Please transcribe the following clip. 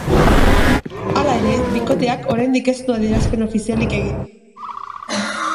Hala ere, bikoteak oraindik ez du adierazpen ofizialik egin.